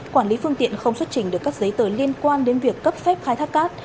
quản lý phương tiện không xuất trình được các giấy tờ liên quan đến việc cấp phép khai thác cát